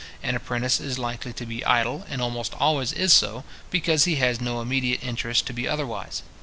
An apprentice is likely to be idle, and almost always is so, because he has no immediate interest to be otherwise.